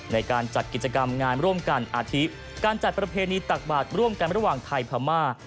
ในการจัดกิจกรรมงานร่วมกันอาทิตการจัดประเพณีตักบาทร่วมกันระหว่างไทยพม่า